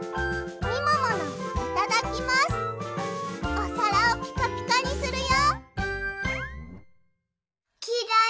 おさらをピカピカにするよ！